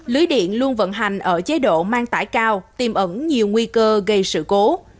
lưới điện luôn vận hành ở chế độ mang tải cao tìm ẩn nhiều nguy cơ gây sự cố